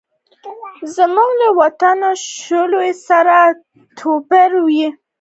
زموږ له وطني شولې سره یې توپیر و.